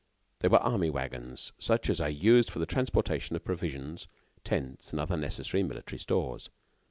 They were army wagons, such as are used for the transportation of provisions, tents, and other necessary military stores.